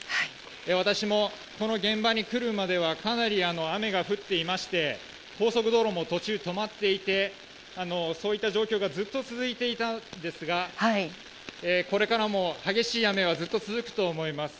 私もこの現場に来るまではかなり雨が降っていまして高速道路も途中止まっていてそういった状況がずっと続いていたんですがこれからも激しい雨がずっと続くと思います。